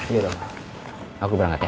ini dong aku berangkat ya